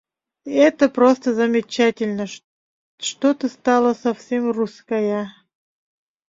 — Это просто замечательно, что ты стала совсем русская.